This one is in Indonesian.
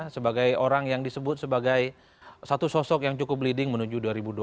sebagai orang yang disebut sebagai satu sosok yang cukup leading menuju dua ribu dua puluh